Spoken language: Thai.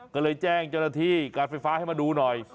ก็เลยแจ้งเจ้าหน้าที่การไฟฟ้าให้มาดูหน่อย